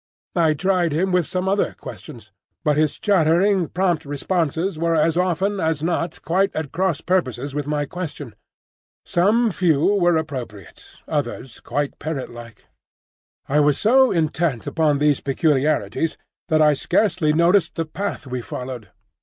I tried him with some other questions, but his chattering, prompt responses were as often as not quite at cross purposes with my question. Some few were appropriate, others quite parrot like. I was so intent upon these peculiarities that I scarcely noticed the path we followed.